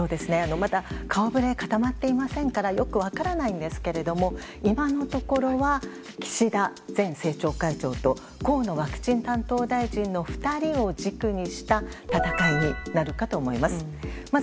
まだ顔ぶれ固まっていませんから、よく分からないんですけども、今のところは岸田前政調会長と、河野ワクチン担当大臣の２人を軸にした戦いになるかと思います。